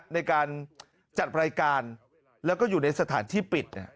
ในการจัดรายการแล้วก็อยู่ในสถานที่ปิด